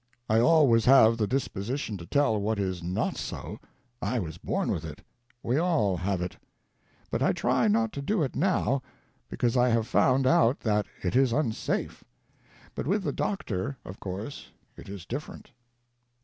I always have the disposition to tell what is not so; I was born with it; we all have it. But I try not to do it now, because I have found out that it is unsafe. But with the Doctor of course it is different.